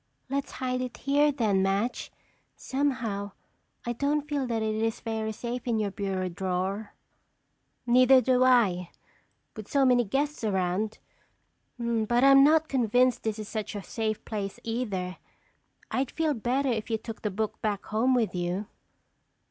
"Let's hide it here then, Madge. Somehow, I don't feel that it is very safe in your bureau drawer." "Neither do I, with so many guests around. But I'm not convinced this is such a safe place either. I'd feel better if you took the book back home with you."